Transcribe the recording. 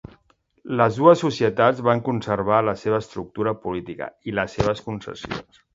Les dues societats van conservar la seva estructura política i les seves concessions.